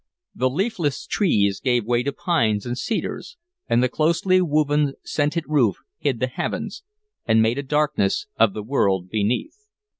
The leafless trees gave way to pines and cedars, and the closely woven, scented roof hid the heavens, and made a darkness of the world beneath.